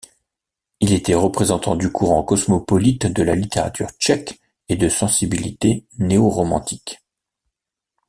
Il était représentant du courant cosmopolite de la littérature tchèque et de sensibilité néoromantiques.